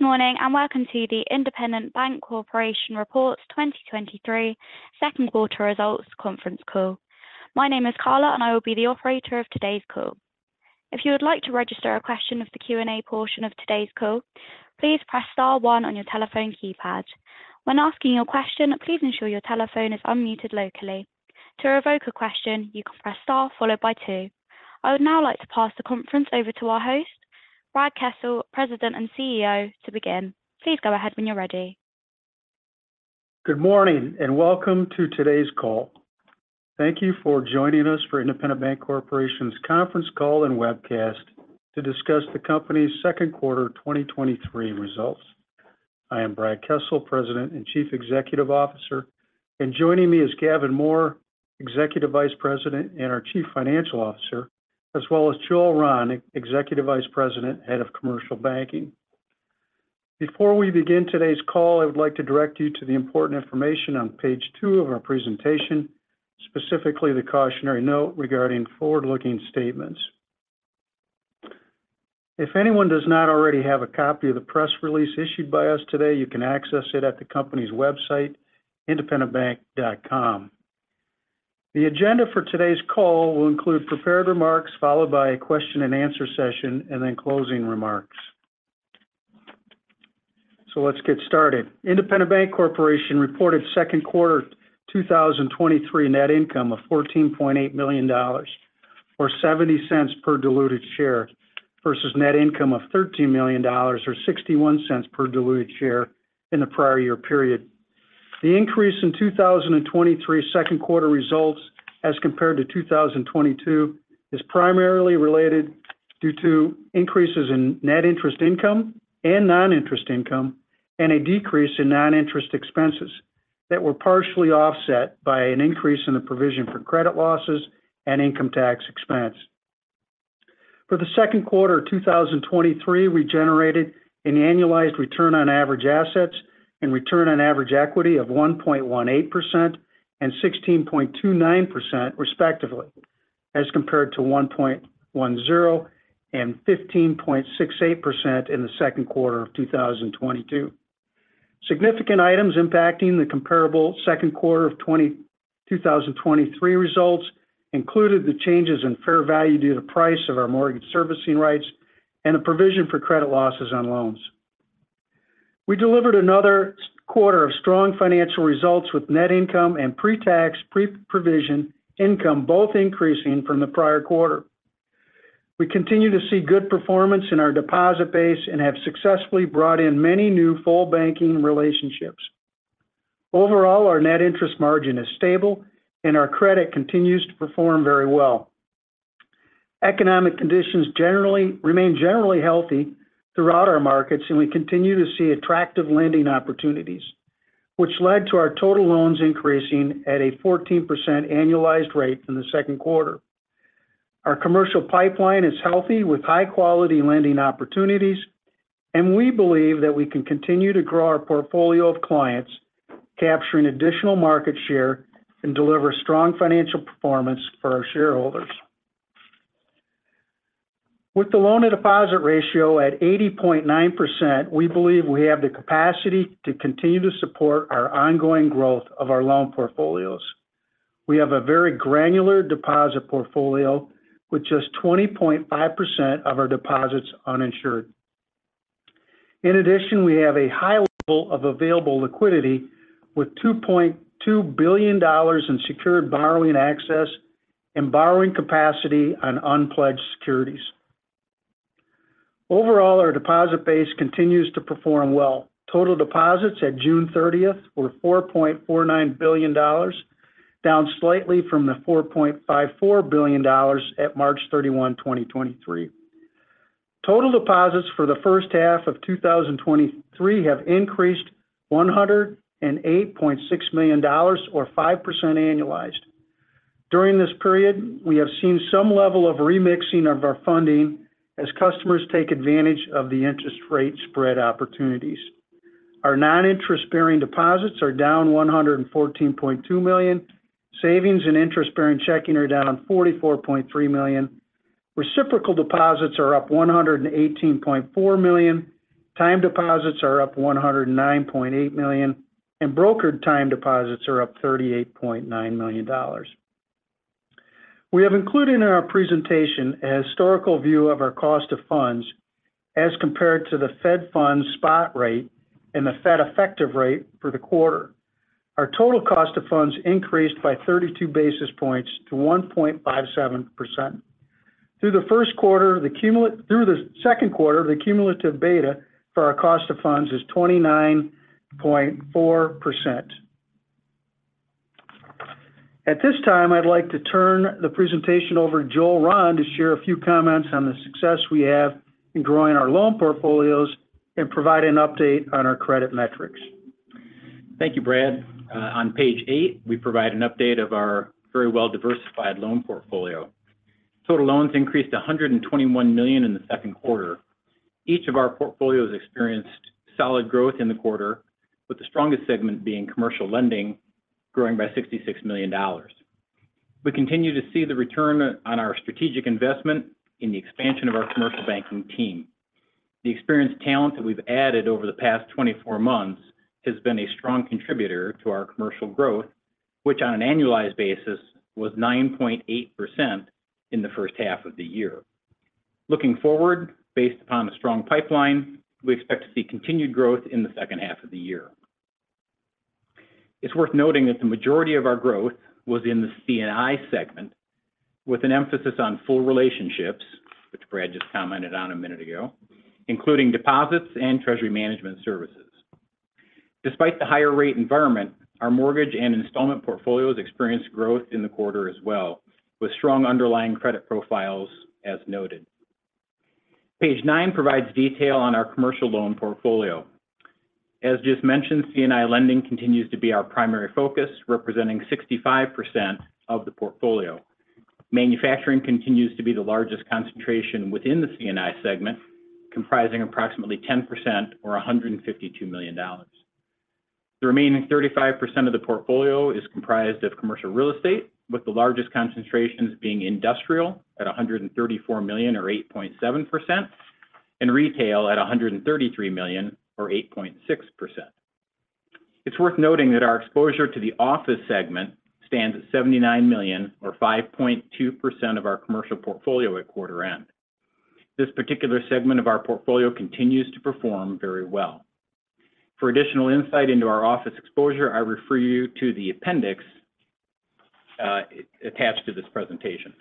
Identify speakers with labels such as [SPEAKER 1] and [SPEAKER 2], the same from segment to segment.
[SPEAKER 1] Good morning, and welcome to the Independent Bank Corporation Reports 2023 Second Quarter Results Conference Call. My name is Carla, and I will be the operator of today's call. If you would like to register a question of the Q&A portion of today's call, please press star one on your telephone keypad. When asking your question, please ensure your telephone is unmuted locally. To revoke a question, you can press star followed by two. I would now like to pass the conference over to our host, Brad Kessel, President and CEO, to begin. Please go ahead when you're ready.
[SPEAKER 2] Good morning. Welcome to today's call. Thank you for joining us for Independent Bank Corporation's conference call and webcast to discuss the company's second quarter 2023 results. I am Brad Kessel, President and Chief Executive Officer. Joining me is Gavin Mohr, Executive Vice President and our Chief Financial Officer, as well as Joel Rahn, Executive Vice President, Head of Commercial Banking. Before we begin today's call, I would like to direct you to the important information on page two of our presentation, specifically the cautionary note regarding forward-looking statements. If anyone does not already have a copy of the press release issued by us today, you can access it at the company's website, independentbank.com. The agenda for today's call will include prepared remarks, followed by a question and answer session, then closing remarks. Let's get started. Independent Bank Corporation reported second quarter 2023 net income of $14.8 million or $0.70 per diluted share, versus net income of $13 million or $0.61 per diluted share in the prior year period. The increase in 2023 second quarter results, as compared to 2022, is primarily related due to increases in net interest income and non-interest income, and a decrease in non-interest expenses that were partially offset by an increase in the provision for credit losses and income tax expense. For the second quarter of 2023, we generated an annualized return on average assets and return on average equity of 1.18% and 16.29%, respectively, as compared to 1.10 and 15.68% in the second quarter of 2022. Significant items impacting the comparable second quarter of 2023 results included the changes in fair value due to the price of our mortgage servicing rights and a provision for credit losses on loans. We delivered another quarter of strong financial results with net income and pre-tax, pre-provision income, both increasing from the prior quarter. We continue to see good performance in our deposit base and have successfully brought in many new full banking relationships. Overall, our net interest margin is stable, and our credit continues to perform very well. Economic conditions remain generally healthy throughout our markets, and we continue to see attractive lending opportunities, which led to our total loans increasing at a 14% annualized rate in the second quarter. Our commercial pipeline is healthy with high-quality lending opportunities, and we believe that we can continue to grow our portfolio of clients, capturing additional market share and deliver strong financial performance for our shareholders. With the loan-to-deposit ratio at 80.9%, we believe we have the capacity to continue to support our ongoing growth of our loan portfolios. We have a very granular deposit portfolio with just 20.5% of our deposits uninsured. In addition, we have a high level of available liquidity with $2.2 billion in secured borrowing access and borrowing capacity on unpledged securities. Overall, our deposit base continues to perform well. Total deposits at June 30th were $4.49 billion, down slightly from the $4.54 billion at March 31, 2023. Total deposits for the first half of 2023 have increased $108.6 million or 5% annualized. During this period, we have seen some level of remixing of our funding as customers take advantage of the interest rate spread opportunities. Our non-interest-bearing deposits are down $114.2 million. Savings and interest-bearing checking are down $44.3 million. Reciprocal deposits are up $118.4 million. Time deposits are up $109.8 million, and brokered time deposits are up $38.9 million. We have included in our presentation a historical view of our cost of funds as compared to the Fed fund spot rate and the Fed effective rate for the quarter. Our total cost of funds increased by 32 basis points to 1.57%. Through the first quarter, through the second quarter, the cumulative beta for our cost of funds is 29.4%. At this time, I'd like to turn the presentation over to Joel Rahn to share a few comments on the success we have in growing our loan portfolios and provide an update on our credit metrics.
[SPEAKER 3] Thank you, Brad. On Page eight, we provide an update of our very well-diversified loan portfolio. Total loans increased to $121 million in the second quarter. Each of our portfolios experienced solid growth in the quarter, with the strongest segment being commercial lending, growing by $66 million. We continue to see the return on our strategic investment in the expansion of our commercial banking team. The experienced talent that we've added over the past 24 months has been a strong contributor to our commercial growth, which on an annualized basis, was 9.8% in the first half of the year. Looking forward, based upon a strong pipeline, we expect to see continued growth in the second half of the year. It's worth noting that the majority of our growth was in the C&I segment, with an emphasis on full relationships, which Brad just commented on a minute ago, including deposits and treasury management services. Despite the higher rate environment, our mortgage and installment portfolios experienced growth in the quarter as well, with strong underlying credit profiles, as noted. Page nine provides detail on our commercial loan portfolio. As just mentioned, C&I lending continues to be our primary focus, representing 65% of the portfolio. Manufacturing continues to be the largest concentration within the C&I segment, comprising approximately 10% or $152 million. The remaining 35% of the portfolio is comprised of commercial real estate, with the largest concentrations being industrial at $134 million or 8.7%, and retail at $133 million or 8.6%. It's worth noting that our exposure to the office segment stands at $79 million or 5.2% of our commercial portfolio at quarter end. This particular segment of our portfolio continues to perform very well. For additional insight into our office exposure, I refer you to the appendix attached to this presentation.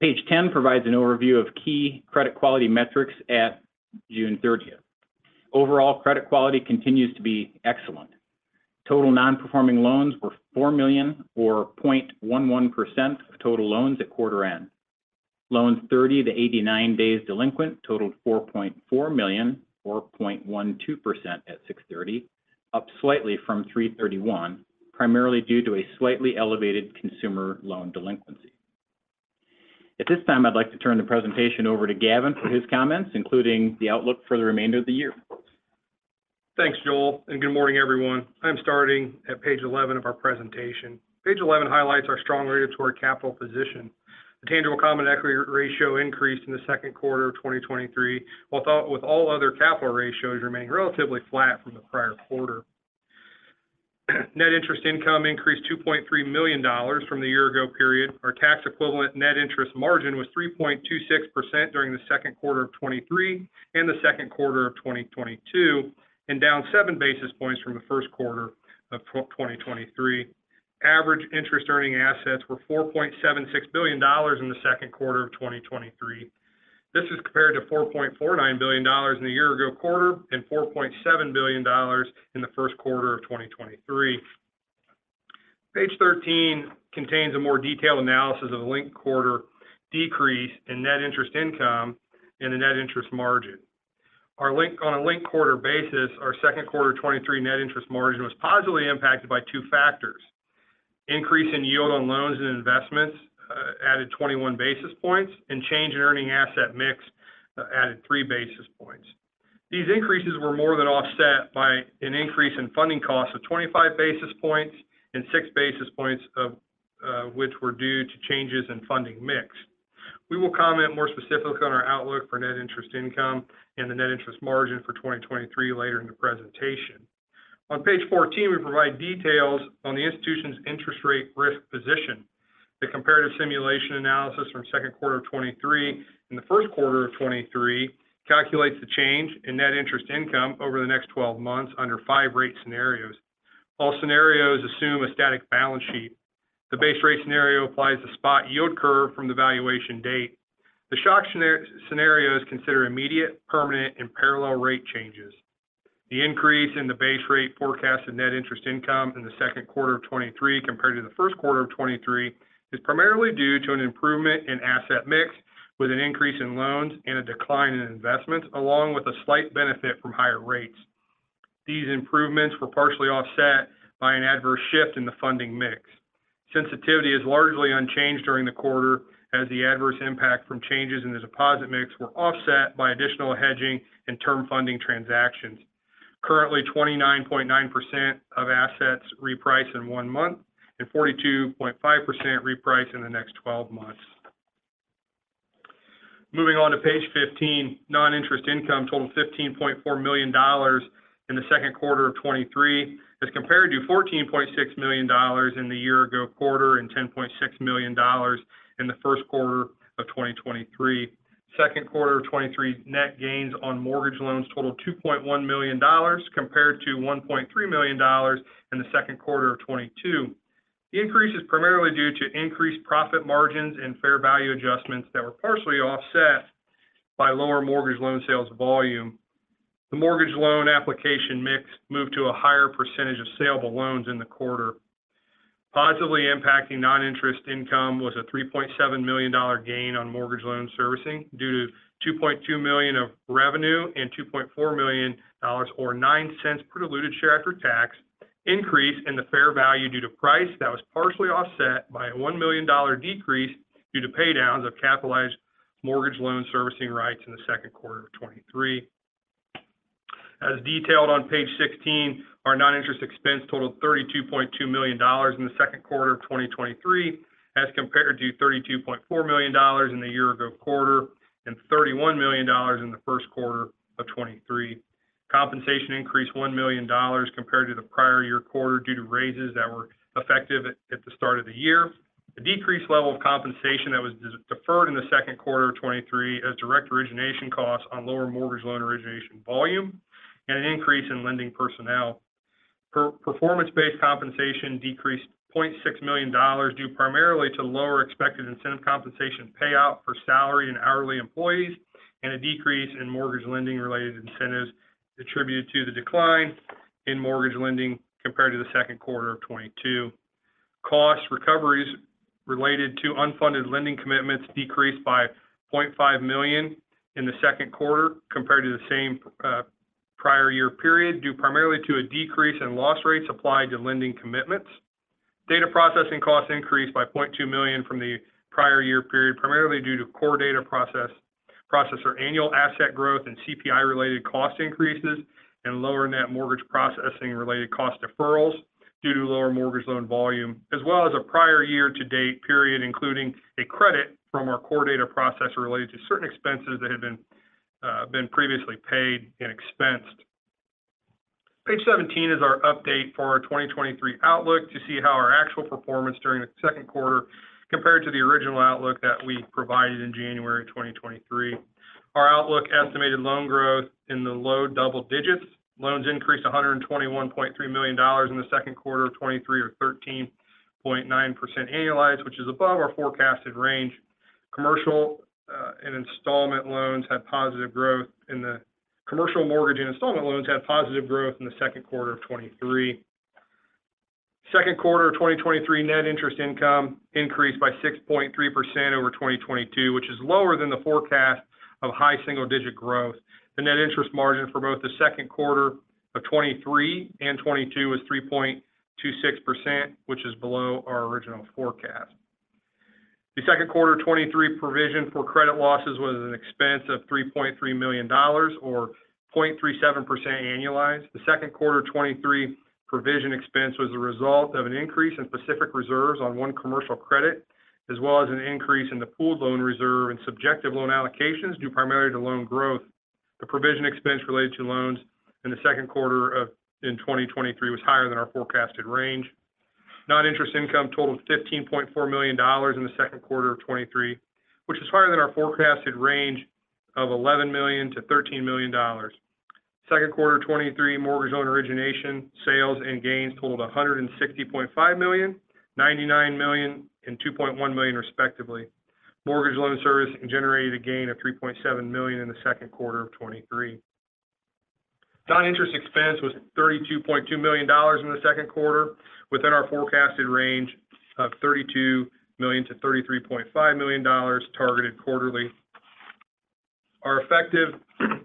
[SPEAKER 3] Page 10 provides an overview of key credit quality metrics at June 30th. Overall, credit quality continues to be excellent. Total non-performing loans were $4 million, or 0.11% of total loans at quarter end. Loans 30-89 days delinquent totaled $4.4 million, or 0.12% at 6/30, up slightly from March 31, primarily due to a slightly elevated consumer loan delinquency. At this time, I'd like to turn the presentation over to Gavin for his comments, including the outlook for the remainder of the year.
[SPEAKER 4] Thanks, Joel. Good morning, everyone. I'm starting at Page eleven of our presentation. Page eleven highlights our strong regulatory capital position. The tangible common equity ratio increased in the second quarter of 2023, with all other capital ratios remaining relatively flat from the prior quarter. Net interest income increased $2.3 million from the year ago period. Our tax equivalent net interest margin was 3.26% during the second quarter of 2023 and the second quarter of 2022, down 7 basis points from the first quarter of 2023. Average interest-earning assets were $4.76 billion in the second quarter of 2023. This is compared to $4.49 billion in the year-ago quarter and $4.7 billion in the first quarter of 2023. Page thirteen contains a more detailed analysis of the linked quarter decrease in net interest income and the net interest margin. On a linked quarter basis, our second quarter 23% net interest margin was positively impacted by two factors: increase in yield on loans and investments, added 21 basis points, and change in earning asset mix, added 3 basis points. These increases were more than offset by an increase in funding costs of 25 basis points and 6 basis points, which were due to changes in funding mix. We will comment more specifically on our outlook for net interest income and the net interest margin for 2023 later in the presentation. On page 14, we provide details on the institution's interest rate risk position. The comparative simulation analysis from second quarter of 2023 and the first quarter of 2023 calculates the change in net interest income over the next 12 months under five rate scenarios. All scenarios assume a static balance sheet. The base rate scenario is considered immediate, permanent, and parallel rate changes. The increase in the base rate forecast and net interest income in the second quarter of 2023 compared to the first quarter of 2023, is primarily due to an improvement in asset mix, with an increase in loans and a decline in investments, along with a slight benefit from higher rates. These improvements were partially offset by an adverse shift in the funding mix. Sensitivity is largely unchanged during the quarter as the adverse impact from changes in the deposit mix were offset by additional hedging and term funding transactions. Currently, 29.9% of assets reprice in one month and 42.5% reprice in the next 12 months. Moving on to Page 15, non-interest income totaled $15.4 million in the second quarter of 2023, as compared to $14.6 million in the year ago quarter and $10.6 million in the first quarter of 2023. Second quarter of 2023, net gains on mortgage loans totaled $2.1 million, compared to $1.3 million in the second quarter of 2022. The increase is primarily due to increased profit margins and fair value adjustments that were partially offset by lower mortgage loan sales volume. The mortgage loan application mix moved to a higher percentage of saleable loans in the quarter. Positively impacting non-interest income was a $3.7 million gain on mortgage loan servicing due to $2.2 million of revenue and $2.4 million or $0.09 per diluted share after tax, increase in the fair value due to price that was partially offset by a $1 million decrease due to pay downs of capitalized mortgage loan servicing rights in the second quarter of 2023. As detailed on Page 16, our non-interest expense totaled $32.2 million in the second quarter of 2023, as compared to $32.4 million in the year ago quarter, and $31 million in the first quarter of 2023. Compensation increased $1 million compared to the prior year quarter due to raises that were effective at the start of the year. The decreased level of compensation that was deferred in the second quarter of 2023 as direct origination costs on lower mortgage loan origination volume and an increase in lending personnel. Performance-based compensation decreased $0.6 million, due primarily to lower expected incentive compensation payout for salary and hourly employees, and a decrease in mortgage lending related incentives attributed to the decline in mortgage lending compared to the second quarter of 2022. Cost recoveries related to unfunded lending commitments decreased by $0.5 million in the second quarter compared to the same prior year period, due primarily to a decrease in loss rates applied to lending commitments. Data processing costs increased by $0.2 million from the prior year period, primarily due to core data processor annual asset growth and CPI-related cost increases, and lower net mortgage processing related cost deferrals due to lower mortgage loan volume. As well as a prior year-to-date period, including a credit from our core data processor related to certain expenses that had been previously paid and expensed. Page 17 is our update for our 2023 outlook to see how our actual performance during the second quarter compared to the original outlook that we provided in January 2023. Our outlook estimated loan growth in the low double digits. Loans increased $121.3 million in the second quarter of 2023 or 13.9% annualized, which is above our forecasted range. Commercial mortgage and installment loans had positive growth in the second quarter of 2023. Second quarter of 2023 net interest income increased by 6.3% over 2022, which is lower than the forecast of high single-digit growth. The net interest margin for both the second quarter of 2023 and 2022 is 3.26%, which is below our original forecast. The second quarter of 2023 provision for credit losses was an expense of $3.3 million or 0.37% annualized. The second quarter of 2023 provision expense was a result of an increase in specific reserves on one commercial credit, as well as an increase in the pooled loan reserve and subjective loan allocations, due primarily to loan growth. The provision expense related to loans in the second quarter of 2023 was higher than our forecasted range. Non-interest income totaled $15.4 million in the second quarter of 2023, which is higher than our forecasted range of $11 million-$13 million. Second quarter of 2023, mortgage loan origination, sales, and gains totaled $160.5 million, $99 million, and $2.1 million respectively. Mortgage loan service generated a gain of $3.7 million in the second quarter of 2023. Non-interest expense was $32.2 million in the second quarter, within our forecasted range of $32 million-$33.5 million targeted quarterly. Our effective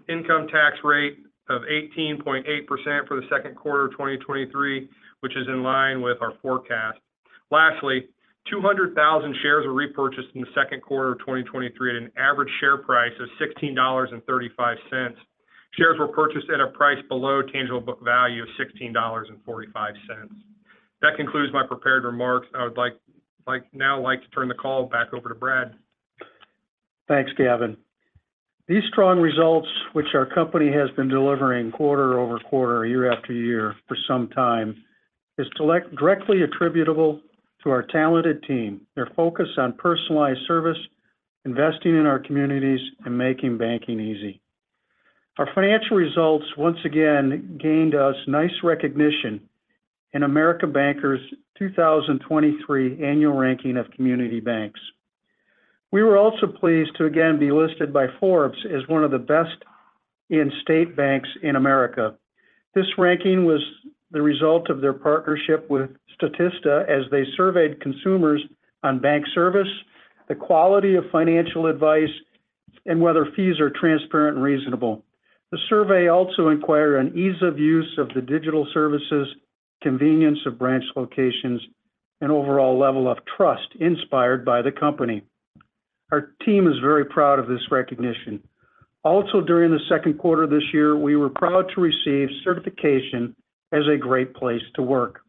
[SPEAKER 4] income tax rate of 18.8% for the second quarter of 2023, which is in line with our forecast. Lastly, 200,000 shares were repurchased in the second quarter of 2023 at an average share price of $16.35. Shares were purchased at a price below tangible book value of $16.45. That concludes my prepared remarks. I would now like to turn the call back over to Brad.
[SPEAKER 2] Thanks, Gavin. These strong results, which our company has been delivering quarter-over-quarter, year-after-year for some time, is directly attributable to our talented team, their focus on personalized service, investing in our communities, and making banking easy. Our financial results once again gained us nice recognition in American Banker's 2023 annual ranking of community banks. We were also pleased to again be listed by Forbes as one of the best in state banks in America. This ranking was the result of their partnership with Statista, as they surveyed consumers on bank service, the quality of financial advice, and whether fees are transparent and reasonable. The survey also inquired on ease of use of the digital services, convenience of branch locations, and overall level of trust inspired by the company. Our team is very proud of this recognition. Also, during the second quarter of this year, we were proud to receive certification as a great place to work.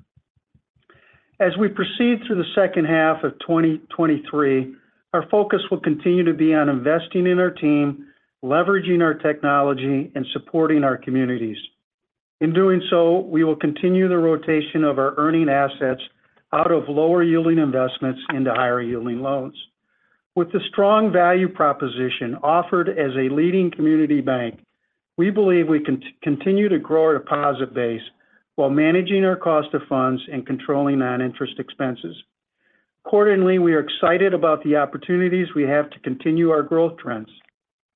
[SPEAKER 2] As we proceed through the second half of 2023, our focus will continue to be on investing in our team, leveraging our technology, and supporting our communities. In doing so, we will continue the rotation of our earning assets out of lower-yielding investments into higher-yielding loans. With the strong value proposition offered as a leading community bank, we believe we continue to grow our deposit base while managing our cost of funds and controlling non-interest expense. Accordingly, we are excited about the opportunities we have to continue our growth trends.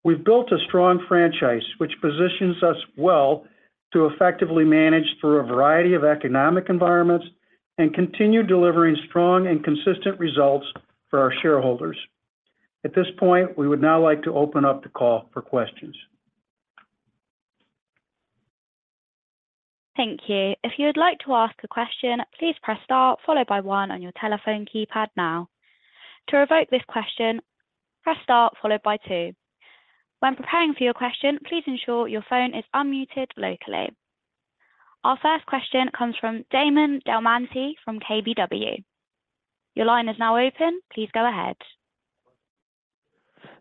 [SPEAKER 2] We've built a strong franchise, which positions us well to effectively manage through a variety of economic environments and continue delivering strong and consistent results for our shareholders. At this point, we would now like to open up the call for questions.
[SPEAKER 1] Thank you. If you would like to ask a question, please press star followed by one on your telephone keypad now. To revoke this question, press star followed by two. When preparing for your question, please ensure your phone is unmuted locally. Our first question comes from Damon DelMonte from KBW. Your line is now open. Please go ahead.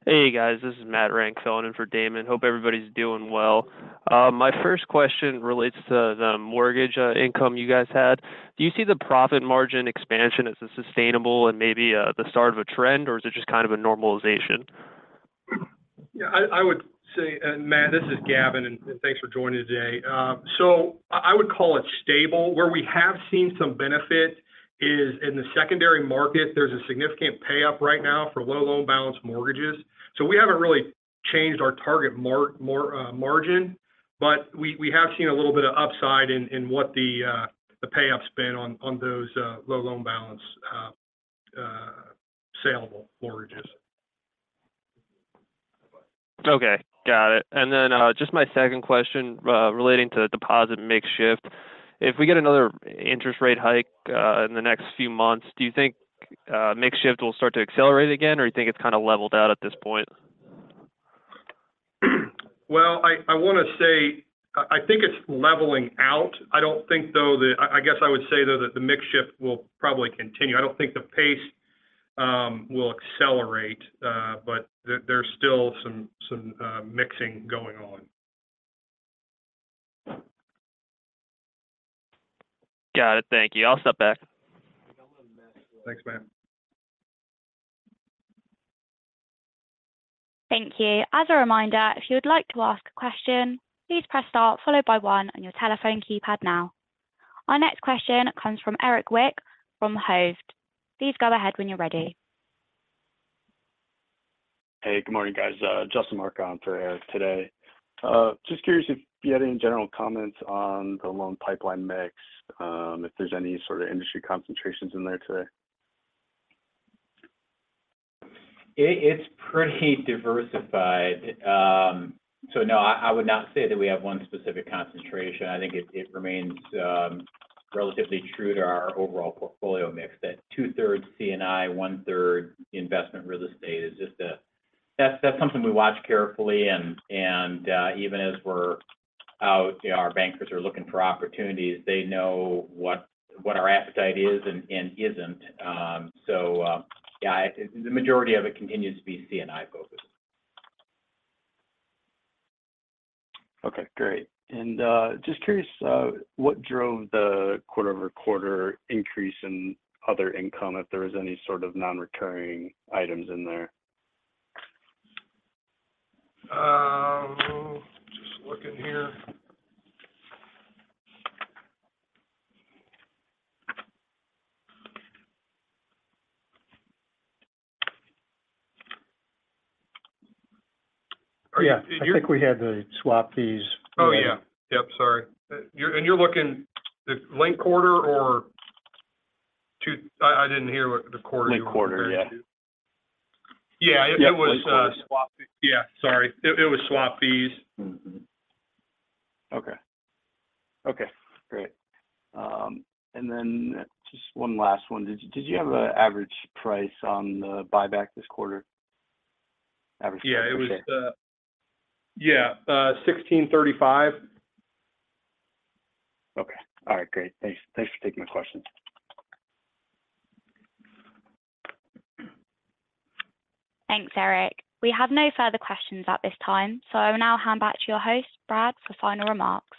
[SPEAKER 5] Hey, guys, this is Matt Renck filling in for Damon. Hope everybody's doing well. My first question relates to the mortgage income you guys had. Do you see the profit margin expansion as a sustainable and maybe the start of a trend, or is it just kind of a normalization?
[SPEAKER 4] I would say, and Matt, this is Gavin, and thanks for joining today. I would call it stable. Where we have seen some benefit is in the secondary market, there's a significant pay up right now for low loan balance mortgages. We haven't really changed our target margin, but we have seen a little bit of upside in what the pay up's been on those low loan balance saleable mortgages.
[SPEAKER 5] Okay. Got it. Just my second question, relating to the deposit mix shift. If we get another interest rate hike, in the next few months, do you think mix shift will start to accelerate again, or you think it's kind of leveled out at this point?
[SPEAKER 4] I want to say I think it's leveling out. I don't think, though, I guess I would say, though, that the mix shift will probably continue. I don't think the pace will accelerate, but there's still some mixing going on.
[SPEAKER 5] Got it. Thank you. I'll step back.
[SPEAKER 4] Thanks, Matt.
[SPEAKER 1] Thank you. As a reminder, if you would like to ask a question, please press star followed by one on your telephone keypad now. Our next question comes from Eric Wick from Hovde. Please go ahead when you're ready.
[SPEAKER 6] Hey, good morning, guys. Justin Marca for Eric today. Just curious if you had any general comments on the loan pipeline mix, if there's any sort of industry concentrations in there today?
[SPEAKER 2] It's pretty diversified. No, I would not say that we have one specific concentration. I think it remains relatively true to our overall portfolio mix. That 2/3 CNI, 1/3 investment real estate is just, that's something we watch carefully and, even as we're out, you know, our bankers are looking for opportunities, they know what our appetite is and isn't. Yeah, the majority of it continues to be CNI focused.
[SPEAKER 6] Okay, great. Just curious, what drove the quarter-over-quarter increase in other income, if there was any sort of non-recurring items in there?
[SPEAKER 4] Just looking here.
[SPEAKER 2] Yeah, I think we had to swap these.
[SPEAKER 4] Oh, yeah. Yep, sorry. You're looking the linked quarter or two? I didn't hear what the quarter you were referring to.
[SPEAKER 6] linked quarter, yeah.
[SPEAKER 4] Yeah, it was.
[SPEAKER 6] Yeah, link quarter....
[SPEAKER 4] swap. Yeah, sorry. It was swap fees.
[SPEAKER 6] Okay. Okay, great. Just one last one. Did you have an average price on the buyback this quarter? Average price, yeah.
[SPEAKER 4] Yeah, it was, yeah, $16.35.
[SPEAKER 6] Okay. All right, great. Thanks. Thanks for taking my questions.
[SPEAKER 1] Thanks, Eric. We have no further questions at this time, so I will now hand back to your host, Brad, for final remarks.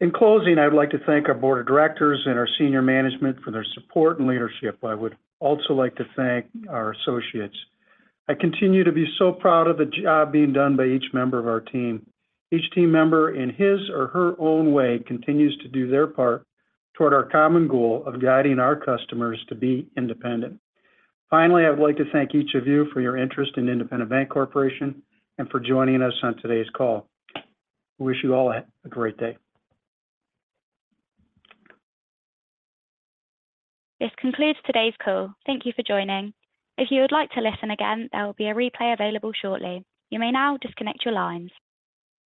[SPEAKER 2] In closing, I'd like to thank our board of directors and our senior management for their support and leadership. I would also like to thank our associates. I continue to be so proud of the job being done by each member of our team. Each team member, in his or her own way, continues to do their part toward our common goal of guiding our customers to be independent. Finally, I'd like to thank each of you for your interest in Independent Bank Corporation and for joining us on today's call. We wish you all a great day.
[SPEAKER 1] This concludes today's call. Thank you for joining. If you would like to listen again, there will be a replay available shortly. You may now disconnect your lines.